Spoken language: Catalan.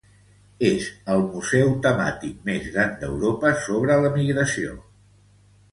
És el museu temàtic més gran d'Europa sobre l'emigració.